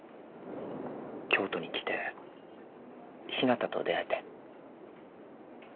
京都に来てひなたと出会えて。